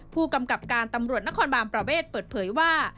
ผู้กำกับการตำรวจนครบานประเวทเปิดเผยว่า